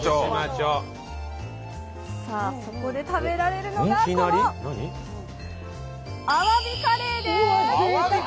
さあそこで食べられるのがこのアワビカレー？